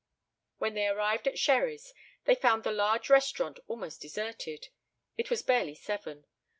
When they arrived at Sherry's they found the large restaurant almost deserted. It was barely seven.